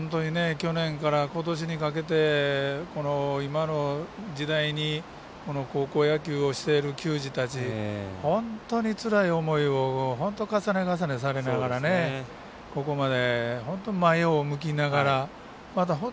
去年からことしにかけてこの今の時代に高校野球をしている球児たち、本当につらい思いを重ね重ねされながらここまで前を向きながら。